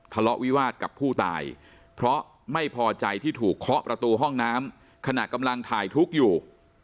ทะเลาะวิวาสกับผู้ตายเพราะไม่พอใจที่ถูกเคาะประตูห้องน้ำขณะกำลังถ่ายทุกข์อยู่